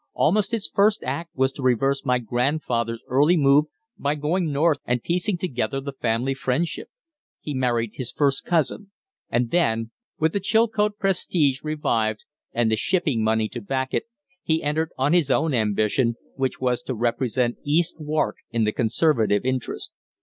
Almost his first act was to reverse my grandfather's early move by going north and piecing together the family friendship. He married his first cousin; and then, with the Chilcote prestige revived and the shipping money to back it, he entered on his ambition, which was to represent East Wark in the Conservative interest.